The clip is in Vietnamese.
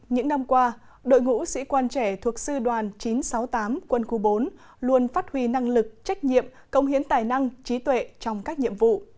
những năm qua đội ngũ sĩ quan trẻ thuộc sư đoàn chín trăm sáu mươi tám quân khu bốn luôn phát huy năng lực trách nhiệm công hiến tài năng trí tuệ trong các nhiệm vụ